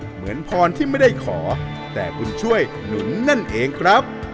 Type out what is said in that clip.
เหมือนพรที่ไม่ได้ขอแต่บุญช่วยหนุนนั่นเองครับ